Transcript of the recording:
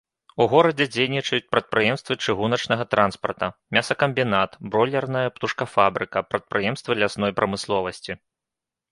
У горадзе дзейнічаюць прадпрыемствы чыгуначнага транспарта, мясакамбінат, бройлерная птушкафабрыка, прадпрыемствы лясной прамысловасці.